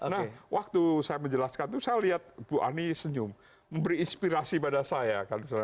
nah waktu saya menjelaskan itu saya lihat bu ani senyum memberi inspirasi pada saya